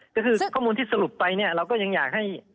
ก็คือข้อมูลที่สรุปไปเนี่ยเราก็ยังอยากให้